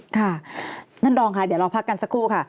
ค่ะท่านรองค่ะเดี๋ยวเราพักกันสักครู่ค่ะ